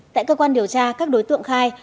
tại cơ quan điều tra các đối tượng khai